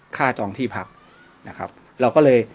จองที่พักนะครับเราก็เลย